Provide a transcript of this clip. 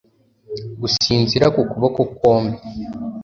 gusinzira ku kuboko kwombi